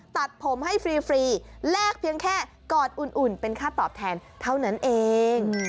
ตัดผมให้ฟรีแลกเพียงแค่กอดอุ่นเป็นค่าตอบแทนเท่านั้นเอง